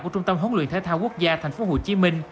của trung tâm hỗn luyện thế thao quốc gia tp hcm